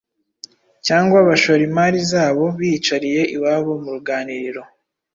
cyangwa bashora imari zabo biyicariye iwabo mu ruganiriro.